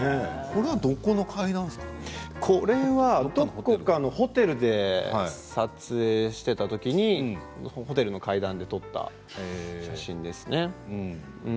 どこかのホテルで撮影していた時にホテルの階段で撮った写真ですね。